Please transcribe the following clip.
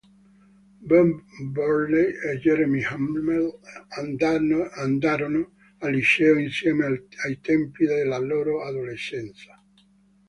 Ben Burnley e Jeremy Hummel andarono al liceo insieme ai tempi della loro adolescenza.